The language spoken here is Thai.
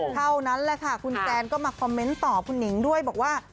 เท่านั้นแหละค่ะคุณแซนก็มาคอมเมนต์ต่อคุณหนิงด้วยบอกว่า